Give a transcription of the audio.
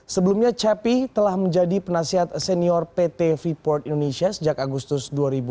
sebelumnya cepi telah menjadi penasihat senior pt freeport indonesia sejak agustus dua ribu dua puluh